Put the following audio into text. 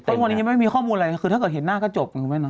เพราะวันนี้ยังไม่มีข้อมูลอะไรคือถ้าเกิดเห็นหน้าก็จบมึงไหมนะ